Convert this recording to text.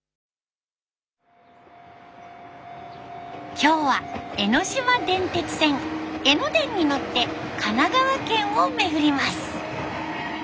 今日は江ノ島電鉄線江ノ電に乗って神奈川県を巡ります。